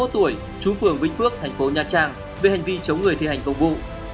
ba mươi một tuổi chú phường vĩnh phước thành phố nha trang về hành vi chống người thi hành công vụ